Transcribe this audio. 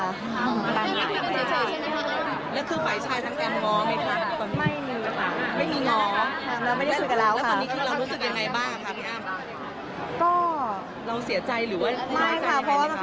แล้วคือฝ่ายชายทั้งแต่งง้อไหมค่ะ